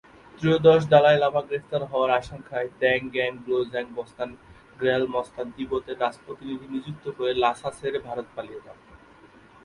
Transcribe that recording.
ত্রয়োদশ Dalai Lama গ্রেপ্তার হওয়ার আশঙ্কায় ঙ্গাগ-দ্বাং-ব্লো-ব্জাং-ব্স্তান-পা'ই-র্গ্যাল-ম্ত্শানকে তিব্বতের রাজপ্রতিনিধি নিযুক্ত করে লাসা ছেড়ে ভারত পালিয়ে যান।